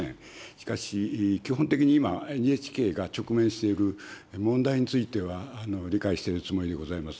しかし、基本的に今、ＮＨＫが直面している問題については、理解しているつもりでございます。